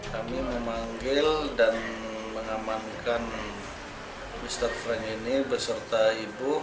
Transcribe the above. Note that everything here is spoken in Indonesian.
kami memanggil dan mengamankan mr frank ini beserta ibu